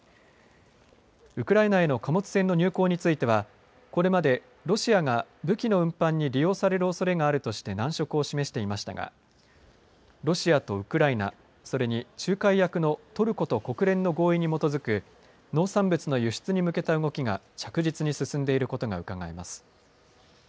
ウクライナへの貨物船の入港についてはこれまでロシアが武器の運搬に利用されるおそれがあるとして難色を示していましたがロシアとウクライナ、それに仲介役のトルコと国連の合意に基づく農産物の輸出に向けた動きが着実に進んでいることがうかがえます。